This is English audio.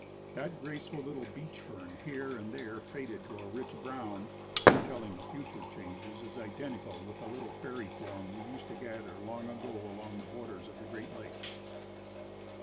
That graceful little beach fern, here and there faded to a rich brown, foretelling of future changes, is identical with the little fairy form we used to gather long ago along the borders of the Great Lakes.